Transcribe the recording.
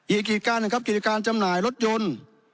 อีกกิจการหนึ่งครับกิจการจำหน่ายรถยนต์